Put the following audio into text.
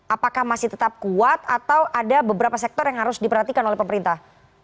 apakah masih tetap kuat atau ada beberapa sektor yang harus diperhatikan oleh pemerintah